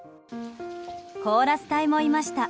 コーラス隊もいました。